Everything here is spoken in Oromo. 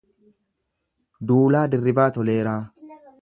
Duulaa Dirribaa Toleeraa